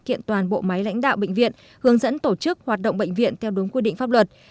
kiện toàn bộ máy lãnh đạo bệnh viện hướng dẫn tổ chức hoạt động bệnh viện theo đúng quy định pháp luật